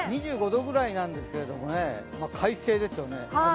２５度ぐらいなんですけど、快晴ですよね。